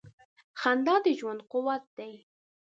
• خندا د ژوند قوت دی.